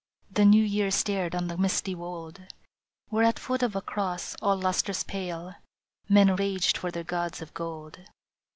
" The New Year stared on the misty wold, Where at foot of a cross all lustrous pale Men raged for their gods of gold.